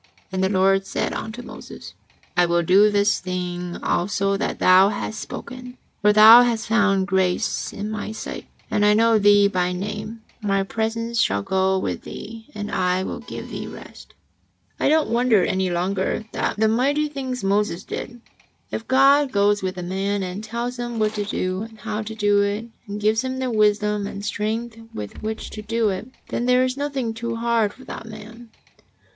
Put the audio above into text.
'' And the Lord said unto Moses: "I will do this thing also that thou hast spoken, for thou hast found grace in My sight, and I know thee by name. My presence shall go with thee, and I will give thee rest." I don't wonder any longer at the mighty things Moses did. If (jod goes with a man and tells him what to do and how to do it, and gives him the wisdom and strength with which to do it, then there is nothing too hard for that man.